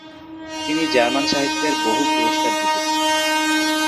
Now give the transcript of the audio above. তিনি জার্মান সাহিত্যের বহু পুরস্কার জিতেছেন।